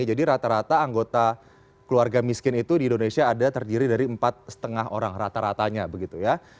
jadi rata rata anggota keluarga miskin itu di indonesia ada terdiri dari empat lima orang rata ratanya begitu ya